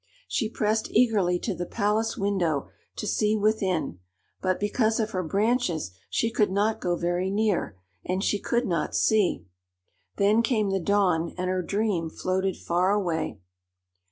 She pressed eagerly to the palace window to see within, but because of her branches she could not go very near, and she could not see. Then came the dawn, and her dream floated far away.